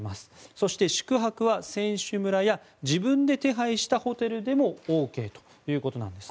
そして、宿泊は選手村や自分で手配したホテルでもＯＫということなんです。